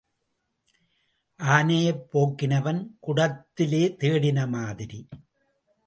ஆனையைப் போக்கினவன் குடத்திலே தேடின மாதிரி.